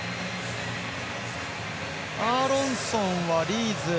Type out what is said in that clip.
アーロンソンはリーズ。